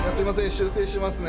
修正しますね。